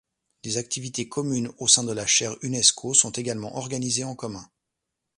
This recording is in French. Des activités communes au sein de la Chaire Unesco sont également organisées en commun.